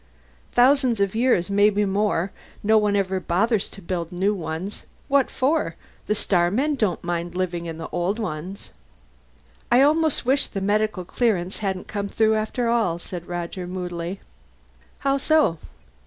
"Thousand years, maybe more. No one ever bothers to build new ones. What for? The starmen don't mind living in the old ones." "I almost wish the medical clearance hadn't come through after all," said Roger moodily. "How so?"